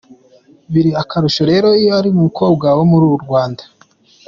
Biri akarusho rero iyo ari umukobwa wo muri uru Rwanda.